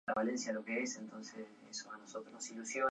Sus hojas predominantes son trilobuladas con bordes serrados.